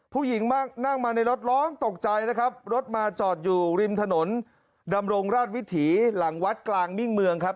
ผู้หญิงนั่งมาในรถร้องตกใจนะครับรถมาจอดอยู่ริมถนนดำรงราชวิถีหลังวัดกลางมิ่งเมืองครับ